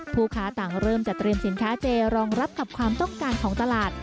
ผู้ค้าต่างเริ่มจะเตรียมสินค้าเจรองรับกับความต้องการของตลาด